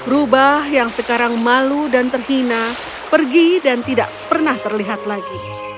rubah yang sekarang malu dan terhina pergi dan tidak pernah terlihat lagi